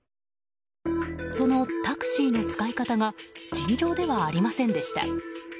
そのタクシーの使い方が尋常ではありませんでした。